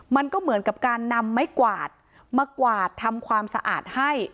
มันก็เหมือนกับการนำไม้กวาดมากวาดทำความสะอาดให้